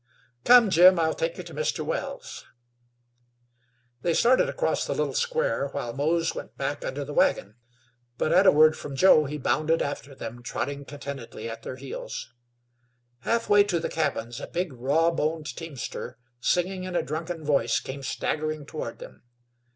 "Come, Jim, I'll take you to Mr. Wells." They stated across the little square, while Mose went back under the wagon; but at a word from Joe he bounded after them, trotting contentedly at their heels. Half way to the cabins a big, raw boned teamster, singing in a drunken voice, came staggering toward them.